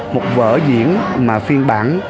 một vỡ diễn mà phiên bản